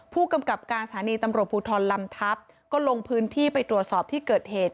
ผู้กำกับการสถานีตำรวจภูทรลำทัพก็ลงพื้นที่ไปตรวจสอบที่เกิดเหตุ